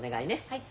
はい。